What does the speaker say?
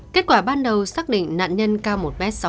kết quả ban đầu xác định nạn nhân cao một m sáu mươi